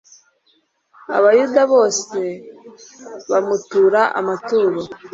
Abayuda bose bamutura amaturo